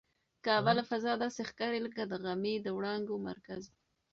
کعبه له فضا داسې ښکاري لکه د غمي د وړانګو مرکز.